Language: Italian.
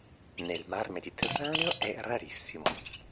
Nel mar Mediterraneo è rarissimo.